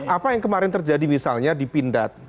apa yang kemarin terjadi misalnya di pindad